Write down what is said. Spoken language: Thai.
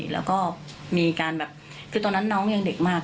แล้วก็มีการแบบคือตอนนั้นน้องยังเด็กมาก